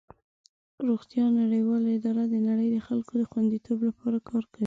روغتیا نړیواله اداره د نړۍ د خلکو د خوندیتوب لپاره کار کوي.